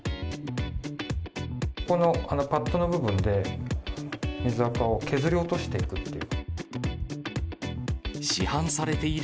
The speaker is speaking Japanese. ここのパッドの部分で、水あかを削り落としていくという。